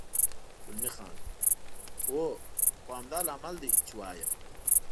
زلمی خان: هو، خو همدا لامل دی، چې وایم.